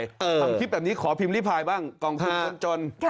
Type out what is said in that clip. ทำคลิปแบบนี้ขอพิมพ์ริพายบ้างกองทุนคนจน